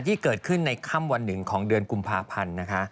ที่เกิดขึ้นในค่ำวันหนึ่งของเดือนกุมภาพันธ์นะคะ